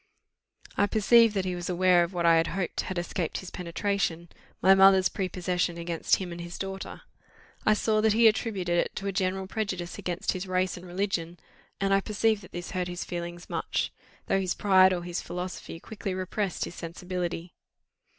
I perceived that he was aware of what I had hoped had escaped his penetration my mother's prepossession against him and his daughter. I saw that he attributed it to a general prejudice against his race and religion, and I perceived that this hurt his feelings much, though his pride or his philosophy quickly repressed his sensibility.